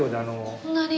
こんなに！